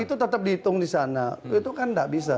itu tetap dihitung di sana itu kan tidak bisa